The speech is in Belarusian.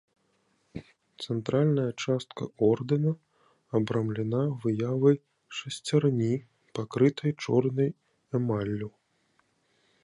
Цэнтральная частка ордэна абрамлена выявай шасцярні, пакрытай чорнай эмаллю.